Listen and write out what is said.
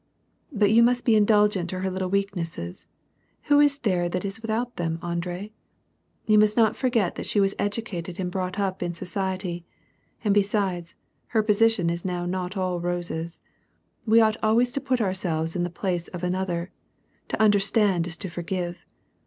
" But you must be indulgent to her little weaknesses ; who is there that is without them, Andrd ? You must not forget that she was educated and brought up in society. And besides, her position is now not all roses. We ought always to put oui"sel ves in the place of another. To understand is to forgive.